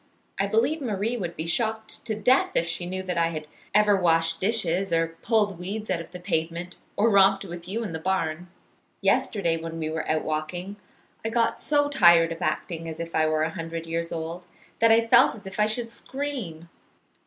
I believe Marie would be shocked to death if she knew that I had ever washed dishes, or pulled weeds out of the pavement, or romped with you in the barn. "Yesterday when we were out walking I got so tired of acting as if I were a hundred years old, that I felt as if I should scream.